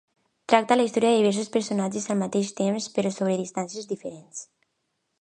Tracta la història de diversos personatges al mateix temps, però sobre distàncies diferents.